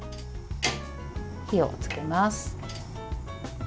火をつけます。